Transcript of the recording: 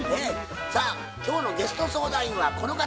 さあ今日のゲスト相談員はこの方。